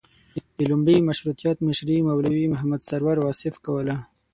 د لومړي مشروطیت مشري مولوي محمد سرور واصف کوله.